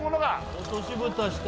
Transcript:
落としぶたして。